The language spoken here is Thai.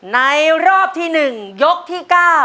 ในรอบที่๑ยกที่๙